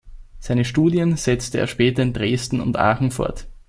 Seine Studien setzte er später in Dresden und Aachen fort.